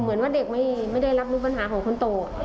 เหมือนว่าเด็กไม่ได้รับรู้ปัญหาของคนโต